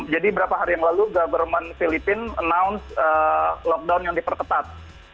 jadi beberapa hari yang lalu government filipina announce lockdown yang diperketat